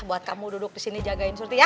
buat kamu duduk di sini jagain surti ya